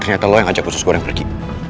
ternyata lo yang ajak khusus gue yang pergi